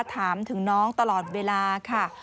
ถามถึงน้องตลอดเวลาค่ะ